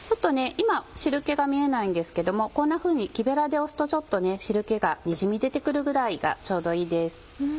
今汁気が見えないんですけどもこんなふうに木べらで押すとちょっと汁気がにじみ出て来るぐらいがちょうどいいです。